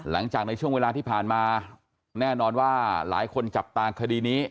หลังจากในช่วงเวลาที่ผ่านมาแน่นอนว่าหลายคนจับตาคดีนี้